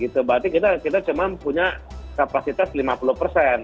berarti kita cuma punya kapasitas lima puluh persen